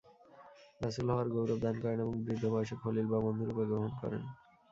রাসূল হওয়ার গৌরব দান করেন এবং বৃদ্ধ বয়সে খলীল বা বন্ধুরূপে গ্রহণ করেন।